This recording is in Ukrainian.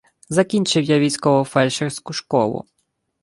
Закінчив я військово-фельдшерську школу.